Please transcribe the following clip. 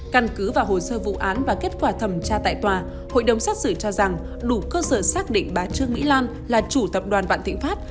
căn cứ vào hồ sơ vụ án và kết quả thẩm tra tại tòa hội đồng xét xử cho rằng đủ cơ sở xác định bà trương mỹ lan là chủ tập đoàn vạn thịnh pháp